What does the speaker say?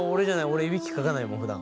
俺いびきかかないもんふだん。